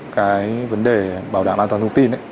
cái vấn đề bảo đảm an toàn thông tin